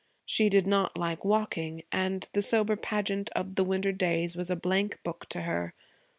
She did not like walking, and the sober pageant of the winter days was a blank book to her.